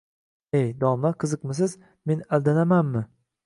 Ey, domla, qiziqmisiz, men aldanamanmi?